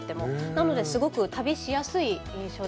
なのですごく旅しやすい印象ですね。